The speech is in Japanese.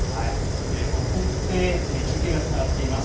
中継がつながっています。